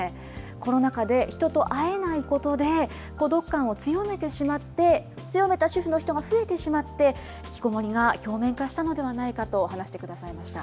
コロナ禍で人と会えないことで、孤独感を強めてしまって、強めた主婦の人が増えてしまって、引きこもりが表面化したのではないかと話してくださいました。